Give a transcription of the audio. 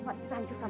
mari kita hancurkan